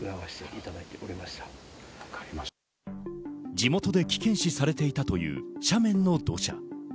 地元で危険視されていたという斜面の土砂。